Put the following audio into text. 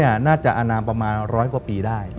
อายุน่าจะอาณาประมาณร้อยกว่าปีได้